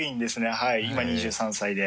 はい今２３歳で。